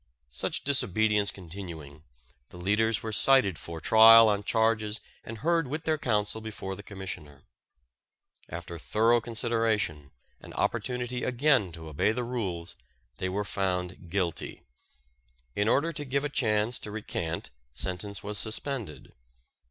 Such disobedience continuing, the leaders were cited for trial on charges and heard with their counsel before the Commissioner. After thorough consideration, and opportunity again to obey the rules, they were found guilty. In order to give a chance to recant sentence was suspended.